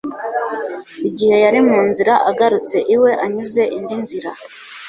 Igihe yari mu nzira agarutse iwe anyuze indi nzira